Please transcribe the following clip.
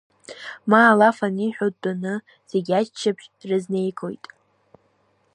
Ма алаф аниҳәо дтәаны, Зегь аччаԥшь рызнеигоит.